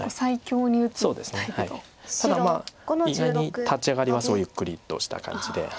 ただまあ意外に立ち上がりはゆっくりとした感じで。